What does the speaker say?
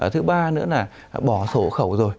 thứ ba nữa là bỏ sổ hộ khẩu rồi